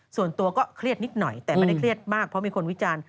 ส่วนตัวก็เครียดนิดหน่อยแต่ไม่ได้เครียดมากเพราะมีคนวิจารณ์